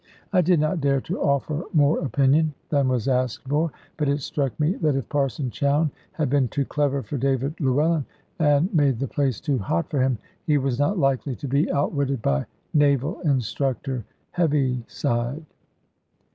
I did not dare to offer more opinion than was asked for, but it struck me that if Parson Chowne had been too clever for David Llewellyn, and made the place too hot for him, he was not likely to be outwitted by Naval Instructor Heaviside.